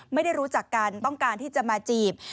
ไม่ได้รู้จักกันต้องการที่จะมาจีบ